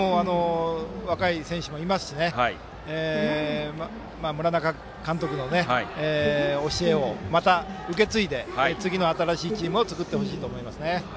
若い選手もいますし村中監督の教えを受け継いで次の新しいチームを作ってほしいと思います。